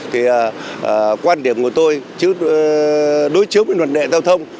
thì quan điểm của tôi đối chiếu với luận đệ giao thông